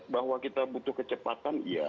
bahwa kita butuh kecepatan iya